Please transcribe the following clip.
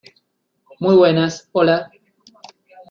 muy buenas. hola .